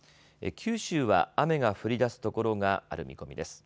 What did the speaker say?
九州は雨が降りだすところがある見込みです。